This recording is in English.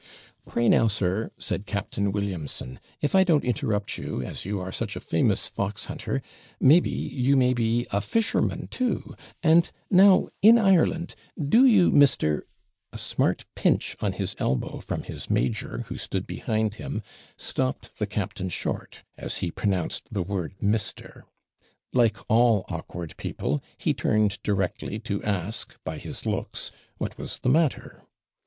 'Pray now, sir,' said Captain Williamson, 'if I don't interrupt you, as you are such a famous fox hunter, maybe, you may be a fisherman too; and now in Ireland do you, MR. ' A smart pinch on his elbow from his major, who stood behind him, stopped the captain short, as he pronounced the word MR. Like all awkward people, he turned directly to ask, by his looks, what was the matter?